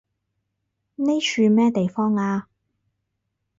呢樹咩地方啊？